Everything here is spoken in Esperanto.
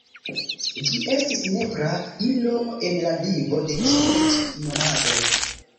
Ĝi estis nepra ilo en la vivo de ĉiuj ĉi nomadoj.